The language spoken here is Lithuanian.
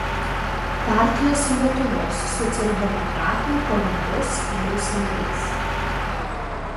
Partijos Lietuvos socialdemokratai Palangos skyriaus narys.